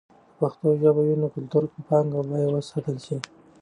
که پښتو ژبه وي، نو کلتوري پانګه به وساتل سي.